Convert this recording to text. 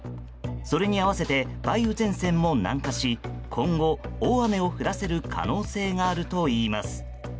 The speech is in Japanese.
それに合わせて梅雨前線も南下し今後、大雨を降らせる可能性があるといいます。